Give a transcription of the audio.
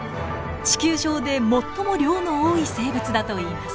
地球上で最も量の多い生物だといいます。